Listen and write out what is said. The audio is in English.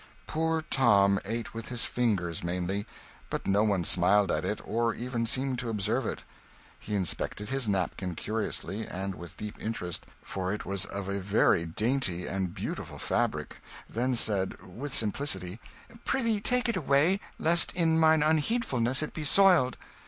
Poor Tom ate with his fingers mainly; but no one smiled at it, or even seemed to observe it. He inspected his napkin curiously, and with deep interest, for it was of a very dainty and beautiful fabric, then said with simplicity "Prithee, take it away, lest in mine unheedfulness it be soiled."